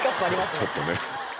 ちょっとね